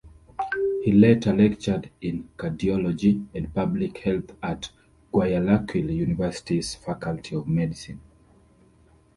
He later lectured in cardiology and public health at Guayaquil University's faculty of medicine.